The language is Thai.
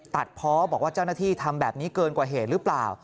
เพาะบอกว่าเจ้าหน้าที่ทำแบบนี้เกินกว่าเหตุหรือเปล่า